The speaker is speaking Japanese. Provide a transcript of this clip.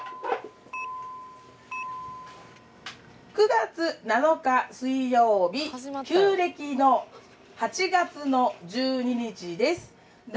９月７日水曜日旧暦の８月の１２日です。